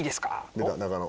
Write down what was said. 出た中野。